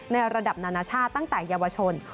ระดับนานาชาติตั้งแต่เยาวชน